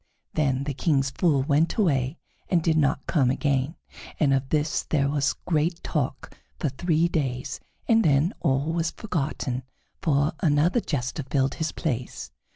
Then the King's Fool went away and did not come again, and of this there was great talk for three days, and then all was forgotten, for another jester filled his place.